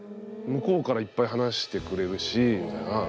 向こうからいっぱい話してくれるし。